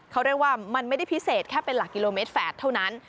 เขาเรียกว่ามันไม่ได้พิเศษแค่เป็นหลักกิโลเมตรแฝดเท่านั้น